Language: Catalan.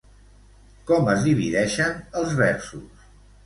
Com es divideixen els versos?